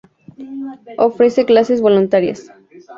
Ofrece clases voluntarias.